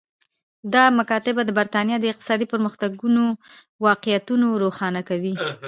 دا مکاتبه د برېټانیا د اقتصادي پرمختګونو واقعیتونه روښانه کوي